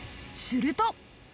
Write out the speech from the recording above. すると。